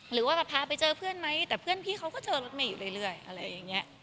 หรือว่าแบบพาไปเจอเพื่อนไหมแต่เพื่อนพี่เขาก็เจอรถเมย์อยู่เรื่อยอะไรอย่างนี้